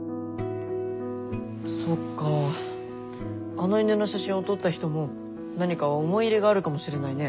あの犬の写真を撮った人も何か思い入れがあるかもしれないね。